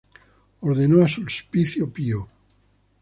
Ordenó a Sulpicio Pío.